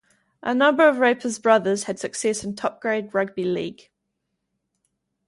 A number of Raper's brothers had success in top-grade rugby league.